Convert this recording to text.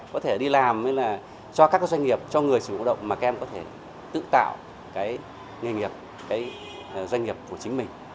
có thể đi làm cho các doanh nghiệp cho người sử dụng động mà các em có thể tự tạo cái doanh nghiệp của chính mình